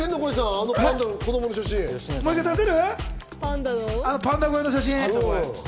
あのパンダ超えの写真。